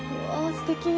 すてき！